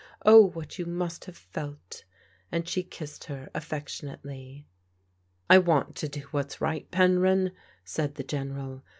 Oh, what you must have felt !" and she kissed her affectionately. " I want to do what's right, Penryn," said the General.